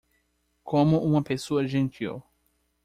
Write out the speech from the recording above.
Como uma pessoa gentil